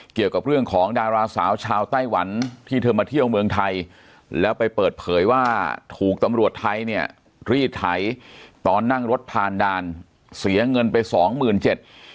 เกี่ยวกับเรื่องของดาราสาวชาวไต้หวันที่เธอมาเที่ยวเมืองไทยแล้วไปเปิดเผยว่าถูกตำรวจไทยเนี่ยรีดไถตอนนั่งรถผ่านด่านเสียเงินไปสองหมื่นเจ็ด